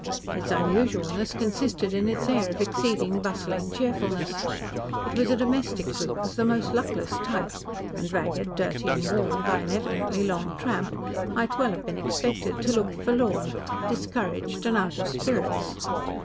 Its unusualness consisted in its air of exceeding bustling cheerfulness. It was a domestic group of the most luckless type, and ragged, dirty, and worn by an evidently long tramp, might well have been expected to look forlorn, discouraged, and out of spirits.